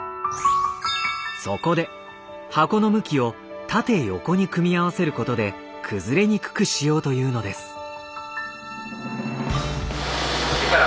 そこで箱の向きを縦横に組み合わせることで崩れにくくしようというのです。